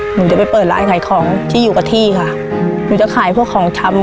หนูจะไปเปิดร้านขายของที่อยู่กับที่ค่ะหนูจะขายพวกของชำ